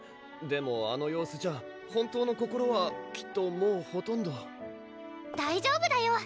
でもあの様子じゃ本当の心はきっともうほとんど大丈夫だよ！